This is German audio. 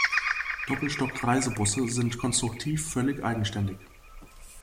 Doppelstock-Reisebusse sind konstruktiv völlig eigenständig.